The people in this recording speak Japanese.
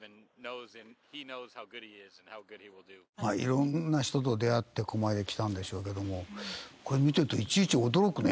色んな人と出会ってここまで来たんでしょうけどもこれ見てるといちいち驚くね。